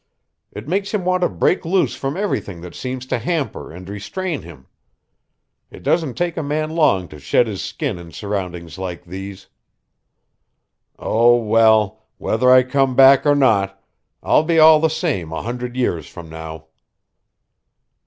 It makes him want to break loose from everything that seems to hamper and restrain him. It doesn't take a man long to shed his skin in surroundings like these. Oh, well, whether I come back or not, I'll be all the same a hundred years from now."